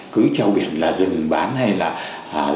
cứ trao biển là dừng bán hay là